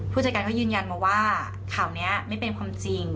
ผู้จัดการก็ยืนยันมาว่าข่าวนี้ไม่เป็นความจริง